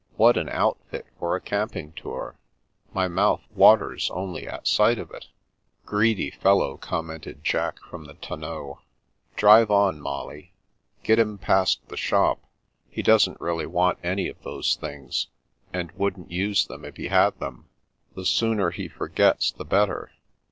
" What an outfit for a camping tour ! My mouth waters only at sight of it." " Greedy fellow," commented Jack from the ton neau. " Drive on, Molly. Get him past the shop. He doesn't really want any of those things, and wouldn't use them if he had them. The sooner he forgets the better."